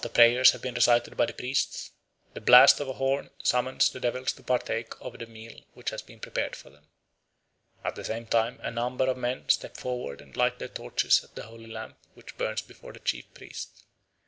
After prayers have been recited by the priests, the blast of a horn summons the devils to partake of the meal which has been prepared for them. At the same time a number of men step forward and light their torches at the holy lamp which burns before the chief priest.